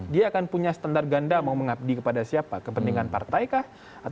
dia akan punya standar ganda mau mengabdi kepada siapa kepentingan partai kah